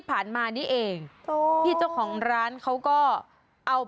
เอาไปซื้อต่างหาก